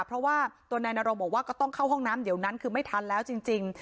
เพราะว่าตัวนายนรงบอกว่าก็ต้องเข้าห้องน้ำเดี๋ยวนั้นคือไม่ทันแล้วจริง